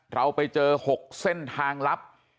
เราไปเจอ๖เส้นทางลับ